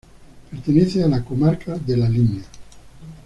Pertenece a la Comarca de La Limia.